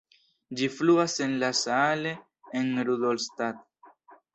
Ĝi fluas en la Saale en Rudolstadt.